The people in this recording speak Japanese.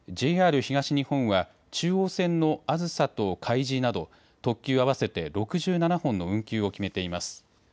ＪＲ東日本は中央線のあずさとかいじなど特急合わせて６７本の運休を決めています。